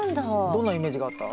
どんなイメージがあった？